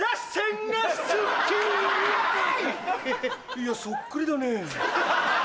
いやそっくりだねぇ。